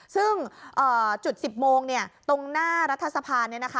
ซึ่งจุด๑๐โมงเนี่ยตรงหน้ารัฐสภาค่ะ